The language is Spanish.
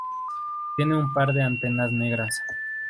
Tiene un par de antenas negras.